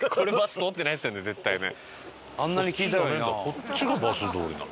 こっちがバス通りなの？